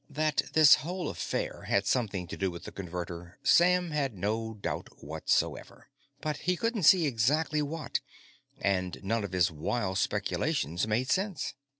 That this whole affair had something to do with the Converter, Sam had no doubt whatsoever. But he couldn't see exactly what, and none of his wild speculations made sense.